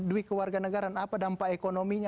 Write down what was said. duit kewarganegaraan apa dampak ekonominya